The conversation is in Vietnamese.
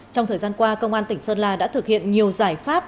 trong thời gian qua công an tỉnh sơn la đã thực hiện nhiều giải pháp